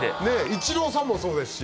イチローさんもそうですし。